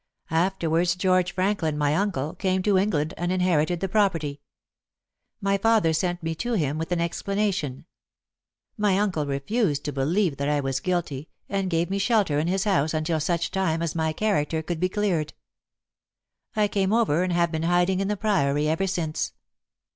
Afterwards George Franklin, my uncle, came to England and inherited the property. My father sent me to him with an explanation. My uncle refused to believe that I was guilty, and gave me shelter in his house until such time as my character could be cleared. I came over and have been hiding in the Priory ever since.